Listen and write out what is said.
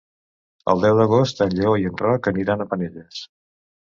El deu d'agost en Lleó i en Roc aniran a Penelles.